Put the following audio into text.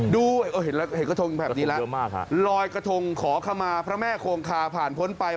เห็นกระทงแบบนี้แล้วลอยกระทงขอขมาพระแม่คงคาผ่านพ้นไป